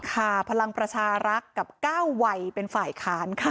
พลังประชารักษ์กับ๙วัยเป็นฝ่ายค้านค่ะ